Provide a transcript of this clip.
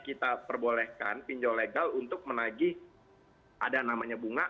kita perbolehkan pinjol legal untuk menagih ada namanya bunga